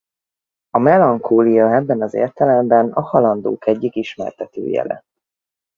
A melankólia ebben az értelemben a halandók egyik ismertetőjele.